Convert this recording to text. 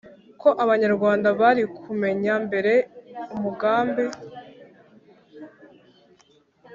ko abanyarwanda barikumenya mbere umugambi